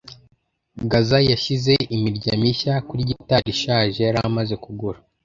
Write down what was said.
Gaza yashyize imirya mishya kuri gitari ishaje yari amaze kugura.